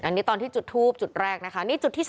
อันนี้ตอนที่จุดทูบจุดแรกนะคะนี่จุดที่๓